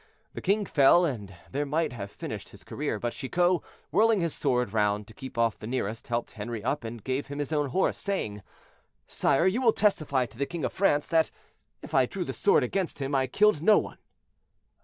The king fell, and there might have finished his career; but Chicot, whirling his sword round to keep off the nearest, helped Henri up and gave him his own horse, saying, "Sire, you will testify to the king of France that, if I drew the sword against him, I killed no one."